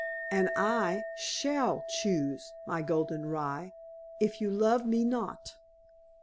"And I shall choose, my golden rye, if you love me not."